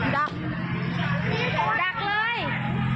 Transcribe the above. ดักเลย